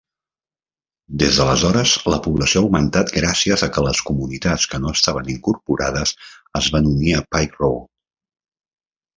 Des d'aleshores, la població ha augmentat gràcies a que les comunitats que no estaven incorporades es van unir a Pike Road.